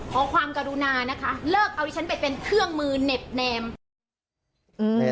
ขอความกรุณานะคะเลิกเอาดิฉันไปเป็นเครื่องมือเน็บแนม